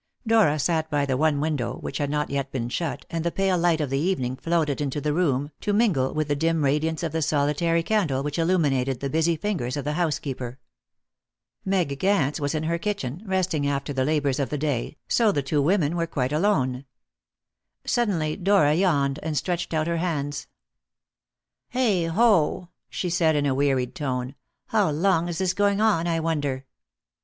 Dora sat by the one window, which had not yet been shut, and the pale light of the evening floated into the room, to mingle with the dim radiance of the solitary candle which illuminated the busy fingers of the housekeeper. Meg Gance was in her kitchen, resting after the labours of the day, so the two women were quite alone. Suddenly Dora yawned, and stretched out her hands. "Heigh ho!" said she in a wearied tone. "How long is this going on, I wonder?"